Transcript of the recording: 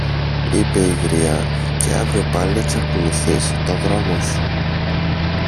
είπε η γριά, και αύριο πάλι εξακολουθείς το δρόμο σου.